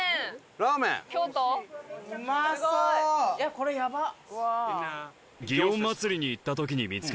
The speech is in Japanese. これやばっ！